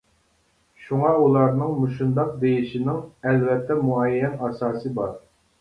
شۇڭا ئۇلارنىڭ مۇشۇنداق دېيىشىنىڭ ئەلۋەتتە مۇئەييەن ئاساسى بار.